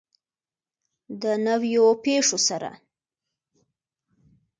د نویو پیښو سره.